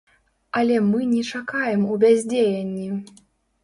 Але мы не чакаем у бяздзеянні.